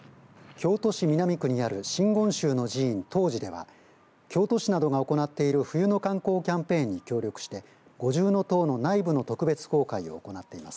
京都市南区にある真言宗の寺院、東寺では京都市などが行っている冬の観光キャンペーンに協力して五重塔の内部の特別公開を行っています。